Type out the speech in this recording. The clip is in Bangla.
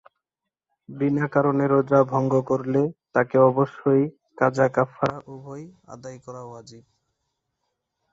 বিনা কারণে রোজা ভঙ্গ করলে তাকে অবশ্যই কাজা-কাফফারা উভয়ই আদায় করা ওয়াজিব।